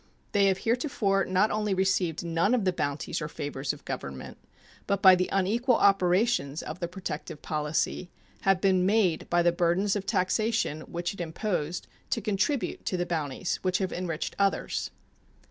They have heretofore not only received none of the bounties or favors of Government, but by the unequal operations of the protective policy have been made by the burdens of taxation which it imposed to contribute to the bounties which have enriched others.